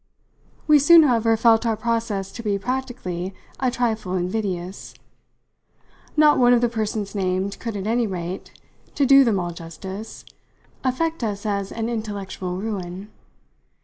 We soon, however, felt our process to be, practically, a trifle invidious. Not one of the persons named could, at any rate to do them all justice affect us as an intellectual ruin.